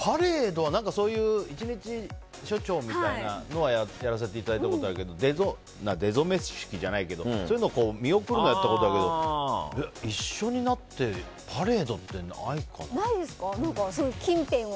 １日署長みたいなのはやらせていただいたことはあって出初め式じゃないけどそういうのを見送るのはやったことあるけど一緒になってパレードってないかな。